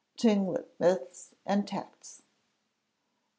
[_Tlingit Myths and Texts.